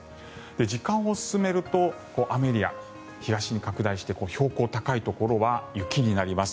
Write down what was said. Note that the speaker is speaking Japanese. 時間を進めると雨エリア、東に拡大して標高が高いところは雪になります。